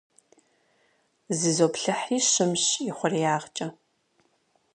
Зызоплъыхьри щымщ ихъуреягъкӏэ.